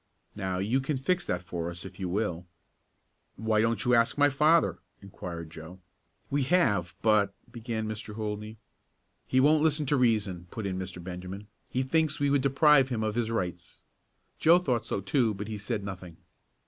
Now you can fix that for us if you will." "Why don't you ask my father?" inquired Joe. "We have, but " began Mr. Holdney. "He won't listen to reason," put in Mr. Benjamin. "He thinks we would deprive him of his rights." Joe thought so too, but he said nothing.